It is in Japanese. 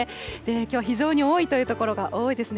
きょうは非常に多いという所が多いですね。